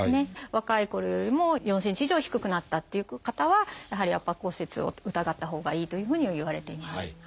若いころよりも４ｃｍ以上低くなったっていう方はやはり圧迫骨折を疑ったほうがいいというふうにはいわれています。